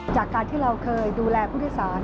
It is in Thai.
จากการที่เราเคยดูแลผู้โดยสาร